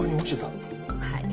はい。